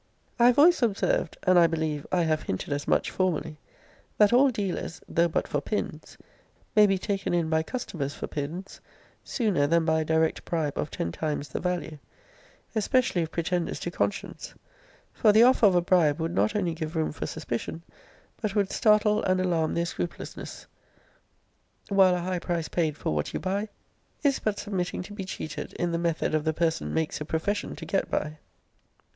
I have always observed, and, I believe, I have hinted as much formerly,* that all dealers, though but for pins, may be taken in by customers for pins, sooner than by a direct bribe of ten times the value; especially if pretenders to conscience: for the offer of a bribe would not only give room for suspicion, but would startle and alarm their scrupulousness; while a high price paid for what you buy, is but submitting to be cheated in the method of the person makes a profession to get by.